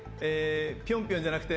ピョンピョンじゃなくて。